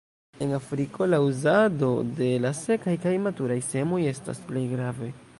En Afriko la uzado de la sekaj kaj maturaj semoj estas plej grave.